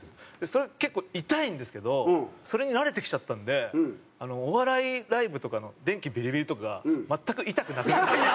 それ結構痛いんですけどそれに慣れてきちゃったんでお笑いライブとかの電気ビリビリとか全く痛くなくなった。